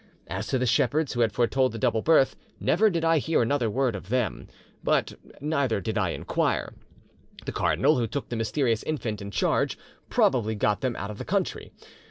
As to the shepherds who had foretold the double birth, never did I hear another word of them, but neither did I inquire. The cardinal who took the mysterious infant in charge probably got them out of the country.